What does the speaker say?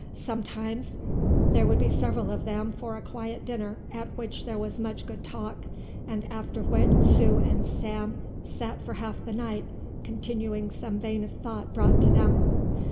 Sometimes there would be several of them for a quiet dinner at which there was much good talk, and after which Sue and Sam sat for half the night, continuing some vein of thought brought to them.